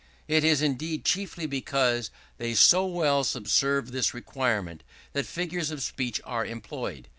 It is indeed chiefly because they so well subserve this requirement, that figures of speech are employed.